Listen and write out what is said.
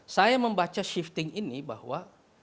saya membaca shifting ini bahwa